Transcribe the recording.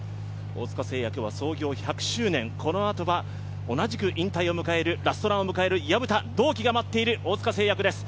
大塚製薬は創業１００周年、このあとは同じく引退を迎える、ラストランを迎える同期の薮田が待っている大塚製薬です。